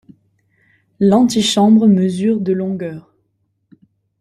L'antichambre mesure de longueur.